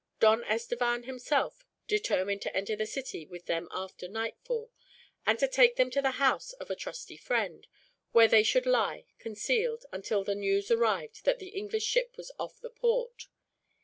Don Estevan, himself, determined to enter the city with them after nightfall; and to take them to the house of a trusty friend, where they should lie, concealed, until the news arrived that the English ship was off the port.